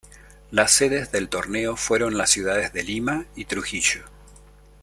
Las sedes del torneo fueron las ciudades de Lima y Trujillo.